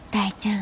ん？